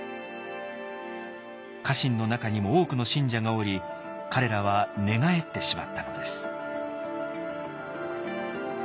家臣の中にも多くの信者がおり彼らは寝返ってしまったのです。